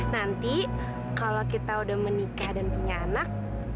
nanti kalau kita udah menikah dan punya anak